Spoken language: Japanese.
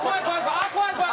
怖い怖い！